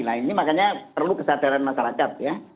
nah ini makanya perlu kesadaran masyarakat ya